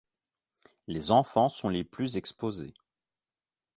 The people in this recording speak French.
Les enfants sont les plus exposés.